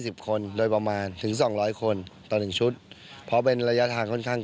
ปิดสมาตรุทางเหลือโหวฮ่ยนังแทน